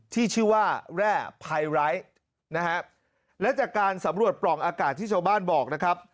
ที่ชื่อว่าแร่ไพไร้นะฮะและจากการสำรวจปล่องอากาศที่ชาวบ้านบอกนะครับ